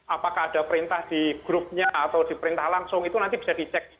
apakah ada perintah di grupnya atau diperintah langsung itu nanti bisa dicek